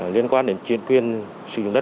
liên quan đến chuyên quyền sử dụng đất